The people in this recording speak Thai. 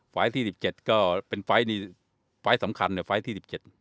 ไฟล์ที่๑๗ก็เป็นไฟล์ที่สำคัญไฟล์ที่๑๗